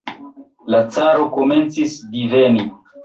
La caro komencis diveni.